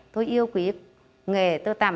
tôi yêu quý nghề tơ tầm